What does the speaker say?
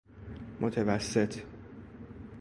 متوسط